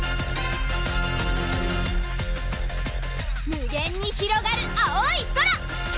無限にひろがる青い空！